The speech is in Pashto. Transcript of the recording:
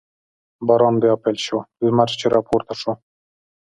باران بیا پیل شو، لمر چې را پورته شو.